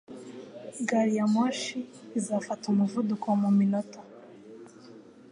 Gari ya moshi izafata umuvuduko mu minota.